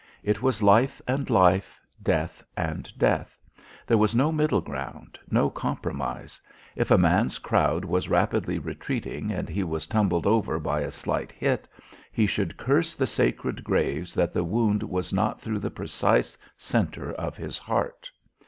It was life and life, death and death; there was no middle ground, no compromise. If a man's crowd was rapidly retreating and he was tumbled over by a slight hit, he should curse the sacred graves that the wound was not through the precise centre of his heart.